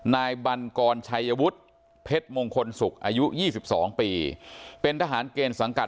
นายบันกรชัยวุฒิเพชรมงคลศุกร์อายุ๒๒ปีเป็นทหารเกณฑ์สังกัด